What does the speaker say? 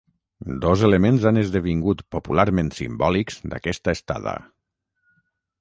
Dos elements han esdevingut popularment simbòlics d'aquesta estada.